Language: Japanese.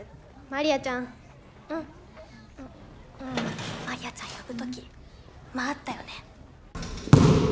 マリアちゃん呼ぶ時間あったよね？